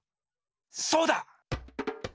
そうだ！